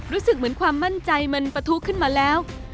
รู้สึกเหมือนความมั่นใจมันปะทุขึ้นมาแล้ว